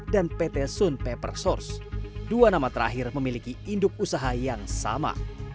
dua nama terakhir memiliki induk usaha yang sama